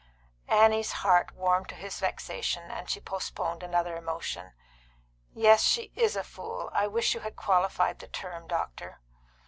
Annie's heart warmed to his vexation, and she postponed another emotion. "Yes, she is a fool. I wish you had qualified the term, doctor."